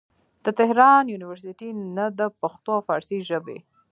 د تهران يونيورسټۍ نه د پښتو او فارسي ژبې